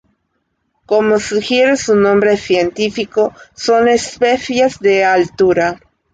Como sugiere su nombre científico, son especies de altura.